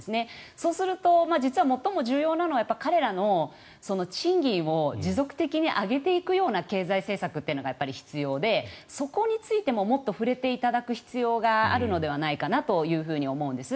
そうすると実は最も重要なのは彼らの賃金を持続的に上げていくような経済政策というのが必要でそこについてももっと触れていただく必要があるのではないかなと思うんです。